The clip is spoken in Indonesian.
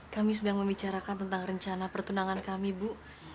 kami sedang membicarakan tentang rencana pertunangan kami bu